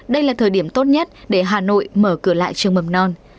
đây là thời điểm tốt nhất để hà nội mở cửa lại trường mầm non